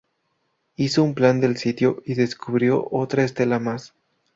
Hizo un plan del sitio y descubrió otra estela más.